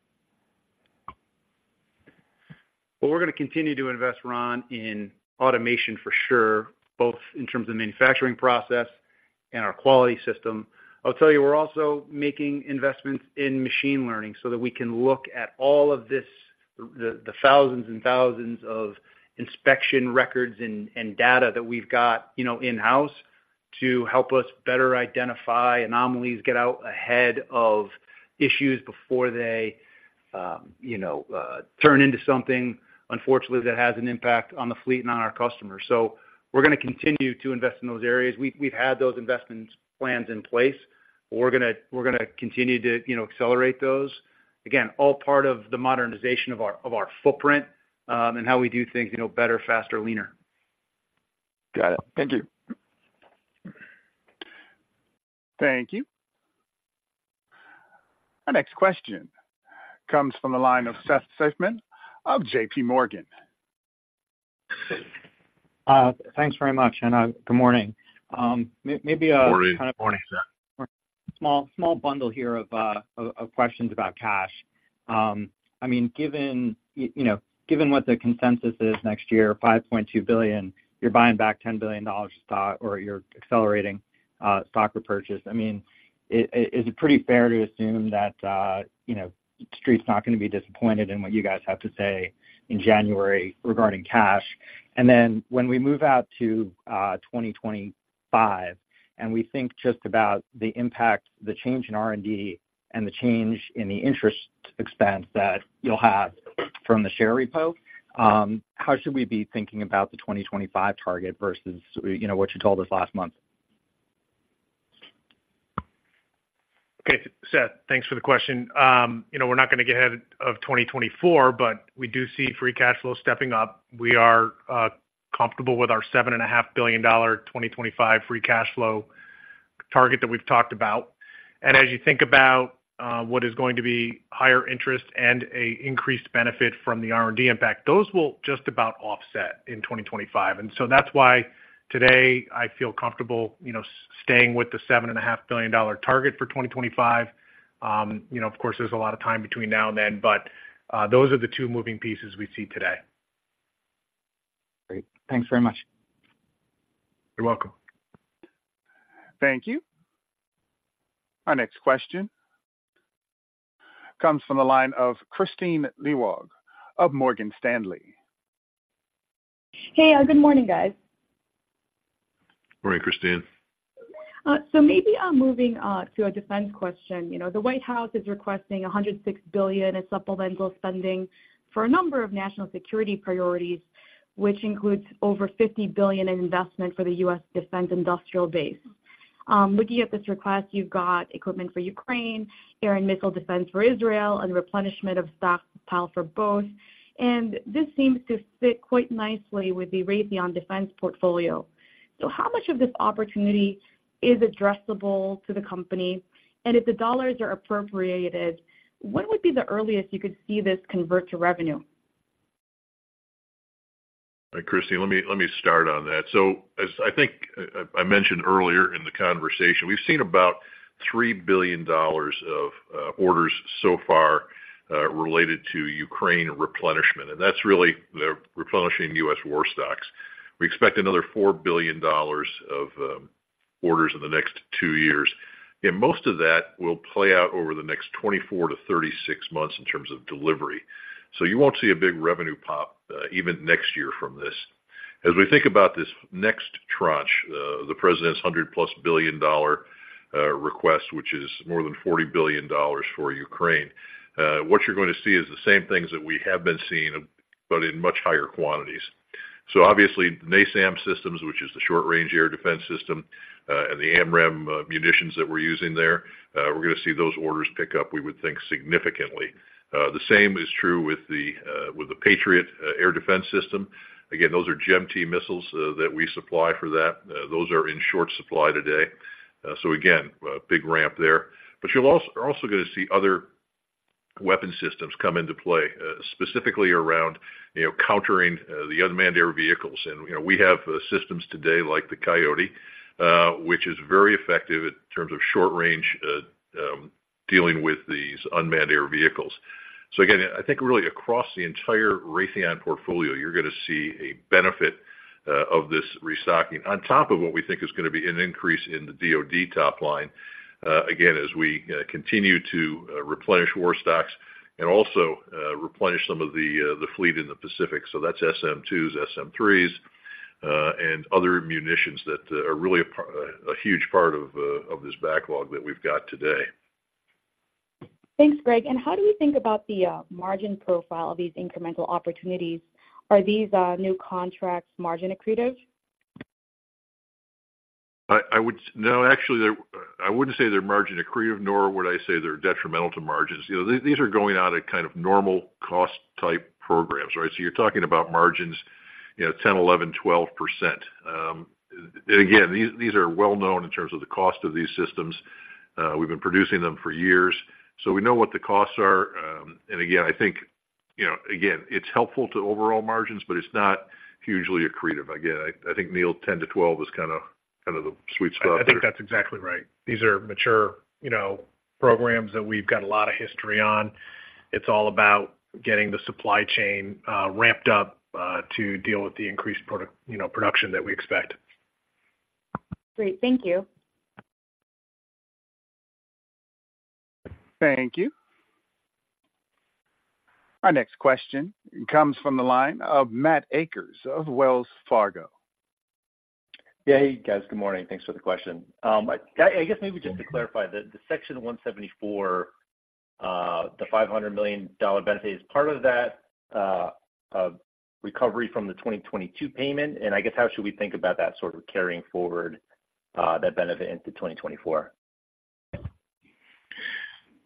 Well, we're gonna continue to invest, Ron, in automation for sure, both in terms of manufacturing process and our quality system. I'll tell you, we're also making investments in machine learning so that we can look at all of this, the thousands and thousands of inspection records and data that we've got, you know, in-house, to help us better identify anomalies, get out ahead of issues before they, you know, turn into something, unfortunately, that has an impact on the fleet and on our customers. So we're gonna continue to invest in those areas. We've had those investment plans in place. We're gonna continue to, you know, accelerate those. Again, all part of the modernization of our footprint and how we do things, you know, better, faster, leaner. Got it. Thank you. Thank you. Our next question comes from the line of Seth Seifman of JPMorgan. Thanks very much, and good morning. Morning. Morning, Seth. Small bundle here of questions about cash. I mean, given, you know, given what the consensus is next year, $5.2 billion, you're buying back $10 billion stock, or you're accelerating stock repurchase. I mean, is it pretty fair to assume that, you know, Street's not going to be disappointed in what you guys have to say in January regarding cash? And then when we move out to 2025, and we think just about the impact, the change in R&D and the change in the interest expense that you'll have from the share repo, how should we be thinking about the 2025 target versus, you know, what you told us last month? Okay, Seth, thanks for the question. You know, we're not going to get ahead of 2024, but we do see free cash flow stepping up. We are comfortable with our $7.5 billion 2025 free cash flow target that we've talked about. And as you think about what is going to be higher interest and a increased benefit from the R&D impact, those will just about offset in 2025. And so that's why today I feel comfortable, you know, staying with the $7.5 billion target for 2025. You know, of course, there's a lot of time between now and then, but those are the two moving pieces we see today. Great. Thanks very much. You're welcome. Thank you. Our next question comes from the line of Kristine Liwag of Morgan Stanley. Hey, good morning, guys. Morning, Kristine. So maybe moving to a defense question. You know, the White House is requesting $106 billion in supplemental spending for a number of national security priorities, which includes over $50 billion in investment for the U.S. defense industrial base. Looking at this request, you've got equipment for Ukraine, air and missile defense for Israel, and replenishment of stockpile for both. And this seems to fit quite nicely with the Raytheon defense portfolio. So how much of this opportunity is addressable to the company? And if the dollars are appropriated, when would be the earliest you could see this convert to revenue? Kristine, let me start on that. So as I think I mentioned earlier in the conversation, we've seen about $3 billion of orders so far related to Ukraine replenishment, and that's really the replenishing U.S. war stocks. We expect another $4 billion of orders in the next two years, and most of that will play out over the next 24 month-36 months in terms of delivery. So you won't see a big revenue pop even next year from this. As we think about this next tranche, the president's $100+ billion-dollar request, which is more than $40 billion for Ukraine, what you're going to see is the same things that we have been seeing, but in much higher quantities. So obviously, NASAMS systems, which is the short-range air defense system, and the AMRAAM munitions that we're using there, we're gonna see those orders pick up, we would think, significantly. The same is true with the with the Patriot air defense system. Again, those are GEM-T missiles that we supply for that. Those are in short supply today. So again, a big ramp there. But you'll also—you're also gonna see other weapon systems come into play, specifically around, you know, countering the unmanned air vehicles. And, you know, we have systems today like the Coyote, which is very effective in terms of short range, dealing with these unmanned air vehicles. So again, I think really across the entire Raytheon portfolio, you're gonna see a benefit of this restocking. On top of what we think is gonna be an increase in the DoD top line, again, as we continue to replenish war stocks and also replenish some of the fleet in the Pacific. So that's SM-2s, SM-3s, and other munitions that are really a part, a huge part of this backlog that we've got today. Thanks, Greg. And how do we think about the margin profile of these incremental opportunities? Are these new contracts margin accretive? No, actually, I wouldn't say they're margin accretive, nor would I say they're detrimental to margins. You know, these are going out at kind of normal cost type programs, right? So you're talking about margins, you know, 10, 11, 12%. And again, these are well known in terms of the cost of these systems. We've been producing them for years, so we know what the costs are. And again, I think, you know, again, it's helpful to overall margins, but it's not hugely accretive. Again, I think, Neil, 10-12 is kinda the sweet spot. I think that's exactly right. These are mature, you know, programs that we've got a lot of history on. It's all about getting the supply chain, ramped up, to deal with the increased product, you know, production that we expect. Great. Thank you. Thank you. Our next question comes from the line of Matt Akers of Wells Fargo. Yeah. Hey, guys, good morning. Thanks for the question. I guess maybe just to clarify, the Section 174, the $500 million benefit, is part of that recovery from the 2022 payment? And I guess, how should we think about that sort of carrying forward that benefit into 2024?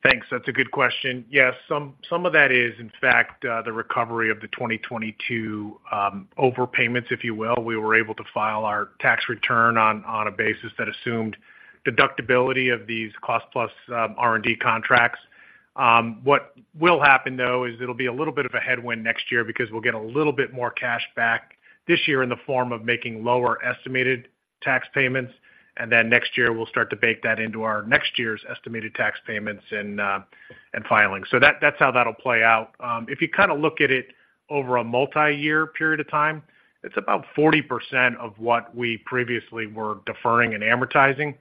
Thanks. That's a good question. Yes, some, some of that is, in fact, the recovery of the 2022 overpayments, if you will. We were able to file our tax return on, on a basis that assumed deductibility of these cost plus R&D contracts. What will happen, though, is it'll be a little bit of a headwind next year because we'll get a little bit more cash back this year in the form of making lower estimated tax payments, and then next year, we'll start to bake that into our next year's estimated tax payments and, and filings. So that, that's how that'll play out. If you kind of look at it over a multiyear period of time, it's about 40% of what we previously were deferring and amortizing.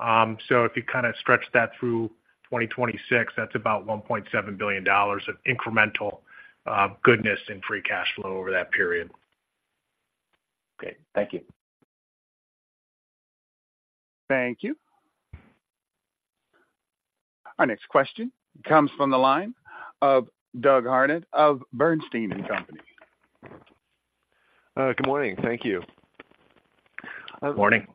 If you kind of stretch that through 2026, that's about $1.7 billion of incremental goodness in free cash flow over that period. Okay, thank you. Thank you. Our next question comes from the line of Doug Harned of Bernstein & Company. Good morning. Thank you. Good morning.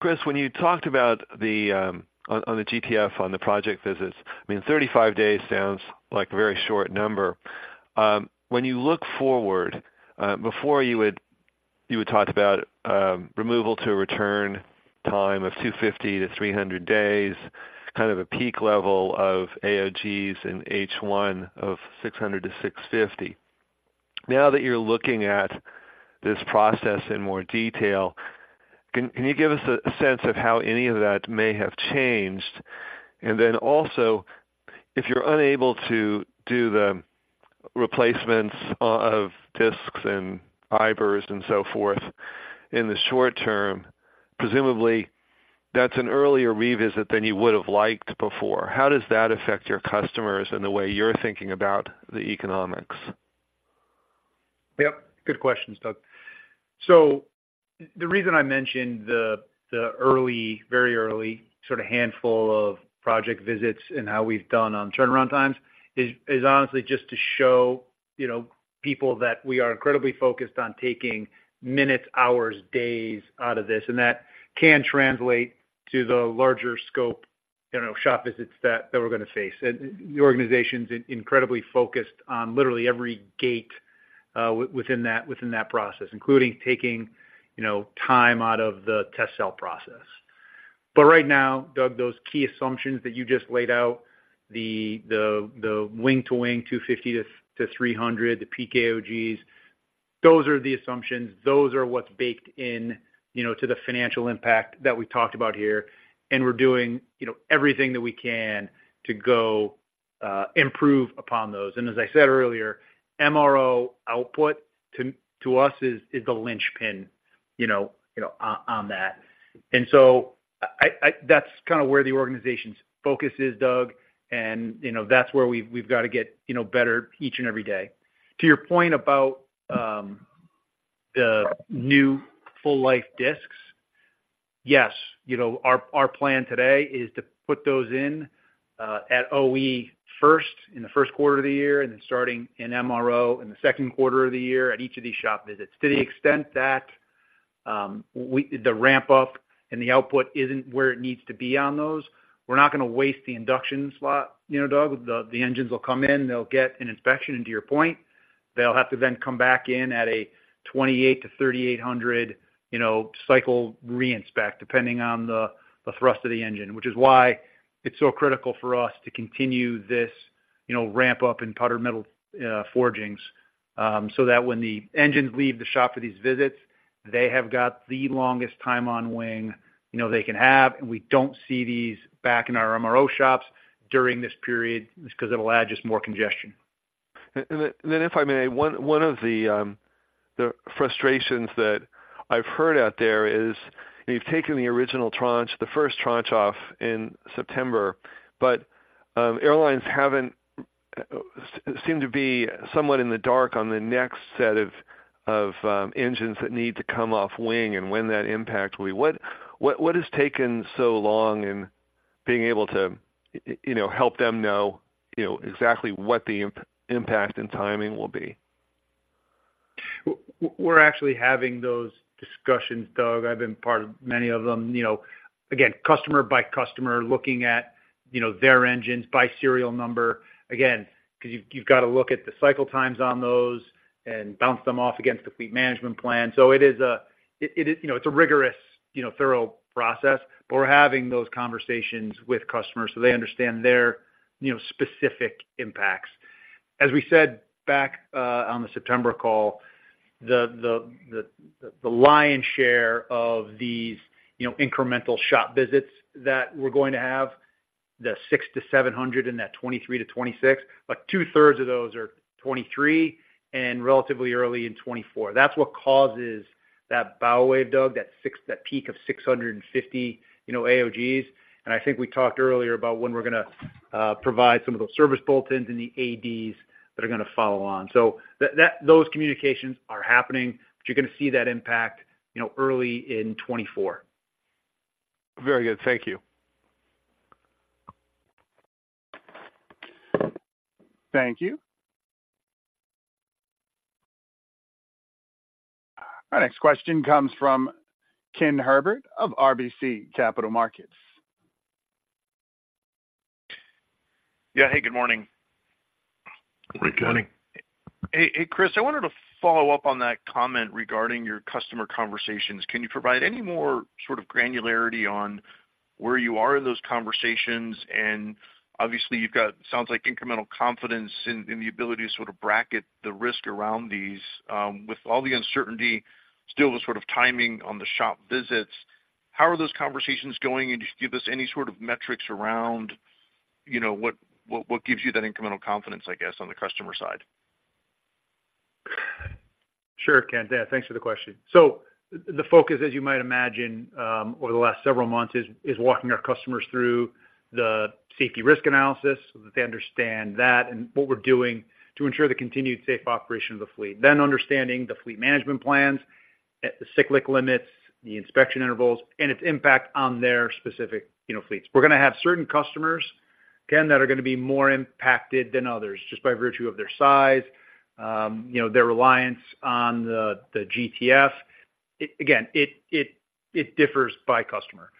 Chris, when you talked about the, on the GTF, on the project visits, I mean, 35 days sounds like a very short number. When you look forward, before you would talk about removal to a return time of 250-300 days, kind of a peak level of AOGs in H1 of 600-650. Now that you're looking at this process in more detail, can you give us a sense of how any of that may have changed? And then also, if you're unable to do the replacements of disks and fibers and so forth in the short term, presumably that's an earlier revisit than you would have liked before. How does that affect your customers and the way you're thinking about the economics? Yep, good questions, Doug. So the reason I mentioned the early, very early sort of handful of project visits and how we've done on turnaround times is honestly just to show, you know, people that we are incredibly focused on taking minutes, hours, days out of this, and that can translate to the larger scope, you know, shop visits that we're gonna face. And the organization's incredibly focused on literally every gate within that, within that process, including taking, you know, time out of the test cell process.... But right now, Doug, those key assumptions that you just laid out, the wing to wing, 250 to 300, the peak AOGs, those are the assumptions. Those are what's baked in, you know, to the financial impact that we talked about here, and we're doing, you know, everything that we can to go improve upon those. And as I said earlier, MRO output to us is the linchpin, you know, on that. And so that's kind of where the organization's focus is, Doug, and, you know, that's where we've got to get, you know, better each and every day. To your point about the new full life discs, yes, you know, our plan today is to put those in at OE first, in the first quarter of the year, and then starting in MRO in the second quarter of the year at each of these shop visits. To the extent that the ramp up and the output isn't where it needs to be on those, we're not gonna waste the induction slot, you know, Doug. The engines will come in, they'll get an inspection, and to your point, they'll have to then come back in at a 2,800-3,800, you know, cycle reinspect, depending on the thrust of the engine, which is why it's so critical for us to continue this, you know, ramp up in Powdered Metal forgings, so that when the engines leave the shop for these visits, they have got the longest time on wing, you know, they can have, and we don't see these back in our MRO shops during this period, because it'll add just more congestion. If I may, one of the frustrations that I've heard out there is, you've taken the original tranche, the first tranche off in September, but airlines haven't seemed to be somewhat in the dark on the next set of engines that need to come off wing and when that impact will be. What has taken so long in being able to, you know, help them know, you know, exactly what the impact and timing will be? We're actually having those discussions, Doug. I've been part of many of them. You know, again, customer by customer, looking at, you know, their engines by serial number. Again, because you've got to look at the cycle times on those and bounce them off against the fleet management plan. So it is, you know, it's a rigorous, you know, thorough process, but we're having those conversations with customers so they understand their, you know, specific impacts. As we said back on the September call, the lion's share of these, you know, incremental shop visits that we're going to have, the 600 to 700 in that 2023-2026, but two-thirds of those are 2023 and relatively early in 2024. That's what causes that bow wave, Doug, that peak of 650, you know, AOGs. I think we talked earlier about when we're gonna provide some of those service bulletins and the ADs that are gonna follow on. So that those communications are happening, but you're gonna see that impact, you know, early in 2024. Very good. Thank you. Thank you. Our next question comes from Ken Herbert of RBC Capital Markets. Yeah. Hey, good morning. Good morning. Hey, hey, Chris, I wanted to follow up on that comment regarding your customer conversations. Can you provide any more sort of granularity on where you are in those conversations? And obviously, you've got, sounds like incremental confidence in, in the ability to sort of bracket the risk around these, with all the uncertainty, still the sort of timing on the shop visits, how are those conversations going, and just give us any sort of metrics around, you know, what, what, what gives you that incremental confidence, I guess, on the customer side? Sure, Ken. Yeah, thanks for the question. So the focus, as you might imagine, over the last several months is walking our customers through the safety risk analysis, so that they understand that and what we're doing to ensure the continued safe operation of the fleet. Then understanding the fleet management plans, the cyclic limits, the inspection intervals, and its impact on their specific, you know, fleets. We're gonna have certain customers, again, that are gonna be more impacted than others, just by virtue of their size, you know, their reliance on the GTF. Again, it differs by customer.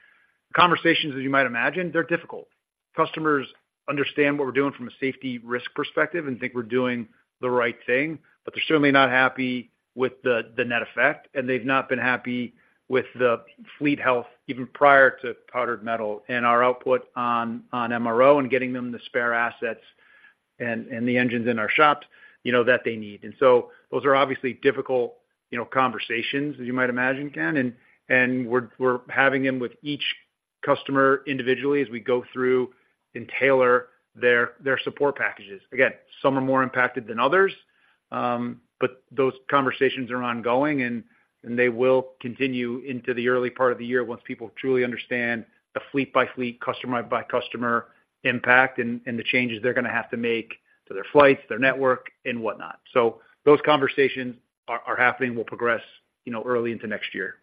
Conversations, as you might imagine, they're difficult. Customers understand what we're doing from a safety risk perspective and think we're doing the right thing, but they're certainly not happy with the net effect, and they've not been happy with the fleet health, even prior to Powdered Metal and our output on MRO and getting them the spare assets and the engines in our shops, you know, that they need. And so those are obviously difficult, you know, conversations, as you might imagine, Ken, and we're having them with each customer individually as we go through and tailor their support packages. Again, some are more impacted than others, but those conversations are ongoing, and they will continue into the early part of the year once people truly understand the fleet-by-fleet, customer-by-customer impact and the changes they're gonna have to make to their flights, their network, and whatnot. Those conversations are happening, will progress, you know, early into next year.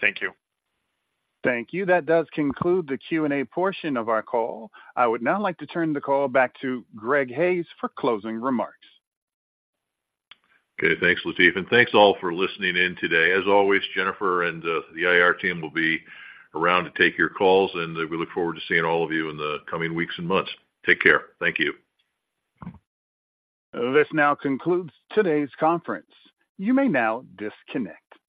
Thank you. Thank you. That does conclude the Q&A portion of our call. I would now like to turn the call back to Greg Hayes for closing remarks. Okay. Thanks, Latif, and thanks, all, for listening in today. As always, Jennifer and the IR team will be around to take your calls, and we look forward to seeing all of you in the coming weeks and months. Take care. Thank you. This now concludes today's conference. You may now disconnect.